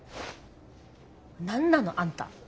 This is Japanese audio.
何なのあんた。